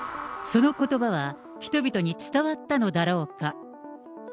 そのことばは、人々に伝わったのだろうか。